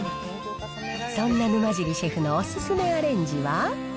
そんな沼尻シェフのお勧めアレンジは？